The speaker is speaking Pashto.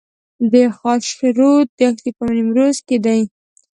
د خاشرود دښتې په نیمروز کې دي